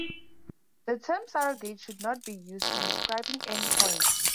The term "surrogate" should not be used in describing end points.